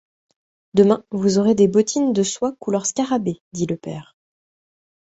Demain, vous aurez des bottines de soie couleur scarabée! dit le père.